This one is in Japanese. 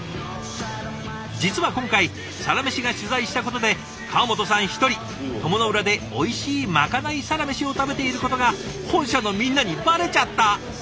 実は今回「サラメシ」が取材したことで川本さん一人鞆の浦でおいしいまかないサラメシを食べていることが本社のみんなにバレちゃった。